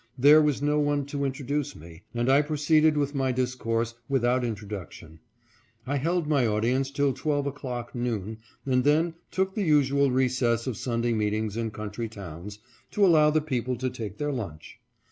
There was no one to introduce me, and I proceeded with my discourse without introduction. I held my audience till twelve o'clock — noon — and then took the usual recess of Sunday meetings in country towns, to allow the peo ple to take their lunch.